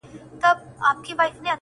ښکلي آواز دي زما سړو وینو ته اور ورکړی-